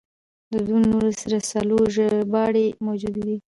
د دوو نورو رسالو ژباړې موجودې دي.